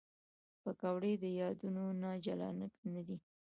پکورې د یادونو نه جلا نه دي